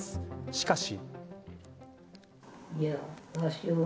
しかし。